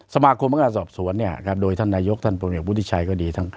สมาคมภาคศาสตร์สวนโดยท่านนายกท่านประเมฆพุทธิชัยก็ดี